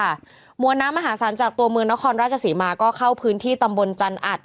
มวลน้ำมหาศาลจากตัวเมืองนครราชศรีมาก็เข้าพื้นที่ตำบลจันอัด